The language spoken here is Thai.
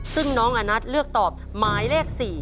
ซึ่งน้องอานัทเลือกตอบหมายเลข๔